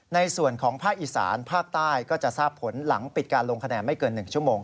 ในส่วนของภาคอีสานภาคใต้ก็จะทราบผลหลังปิดการลงคะแนนไม่เกิน๑ชั่วโมง